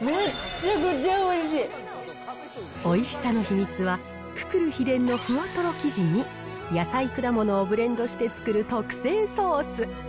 おいしさの秘密は、くくる秘伝のふわとろ生地に野菜、果物をブレンドして作る特製ソース。